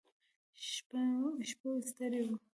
شپه وه ستړي وو.